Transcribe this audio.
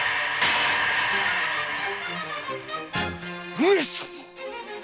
上様！